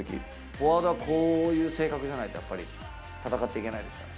フォワードは、こういう性格じゃないと、やっぱり戦っていけないですからね。